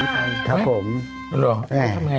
ใช่หรือในยังไง